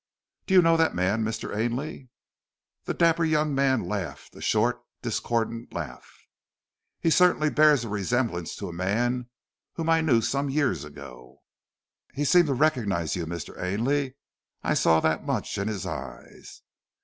"Do you know that man, Mr. Ainley?" The dapper young man laughed a short, discordant laugh. "He certainly bears a resemblance to a man whom I knew some years ago." "He seemed to recognize you, Mr. Ainley. I saw that much in his eyes."